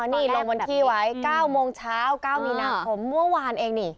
นี่ลงวันที่ไว้๙โมงเช้า๙มีนาคมเมื่อวานเองนี่